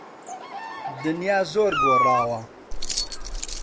دنیا زۆر گۆڕاوە.